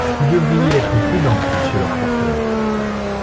Vous devriez être prudent, monsieur le rapporteur.